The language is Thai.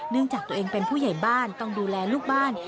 จากตัวเองเป็นผู้ใหญ่บ้านต้องดูแลลูกบ้าน